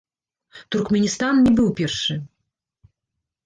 Туркменістан не быў першы.